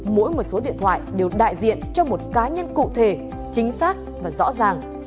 mỗi một số điện thoại đều đại diện cho một cá nhân cụ thể chính xác và rõ ràng